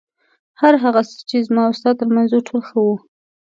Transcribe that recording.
هر هغه څه چې زما او ستا تر منځ و ټول ښه وو.